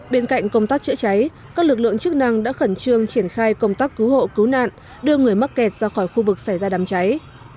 bên cạnh công tác chữa cháy các lực lượng chức năng đã khẩn trương triển khai công tác cứu hộ cứu nạn đưa người mắc kẹt ra khỏi khu vực xảy ra đám cháy